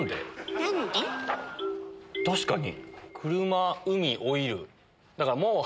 確かに。